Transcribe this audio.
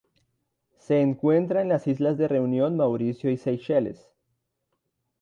Se encuentra en las islas de Reunión, Mauricio y Seychelles.